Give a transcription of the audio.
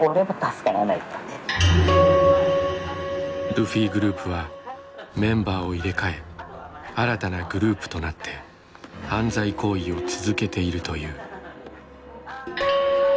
ルフィグループはメンバーを入れ替え新たなグループとなって犯罪行為を続けているという。